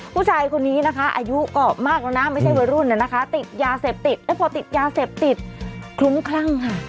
ผู้ชายคนนี้นะคะอายุก็มากแล้วนะไม่ใช่วัยรุ่นน่ะนะคะติดยาเสพติดแล้วพอติดยาเสพติดคลุ้มคลั่งค่ะ